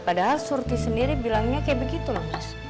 padahal surti sendiri bilangnya kayak begitu loh mas